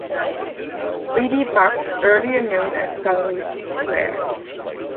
B. D. Bagh, earlier known as Dalhousie Square.